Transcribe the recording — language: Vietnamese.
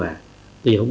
sử dụng ít lao động